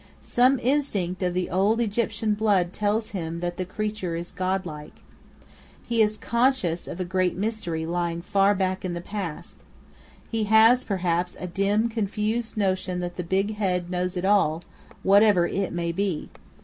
Some instinct of the old Egyptian blood tells him that the creature is God like. He is conscious of a great mystery lying far back in the past. He has, perhaps, a dim, confused notion that the Big Head knows it all, whatever it may be.